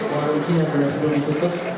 mohon izin yang belum ditutup